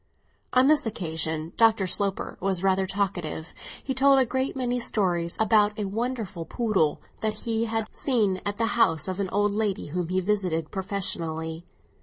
On this occasion Dr. Sloper was rather talkative. He told a great many stories about a wonderful poodle that he had seen at the house of an old lady whom he visited professionally.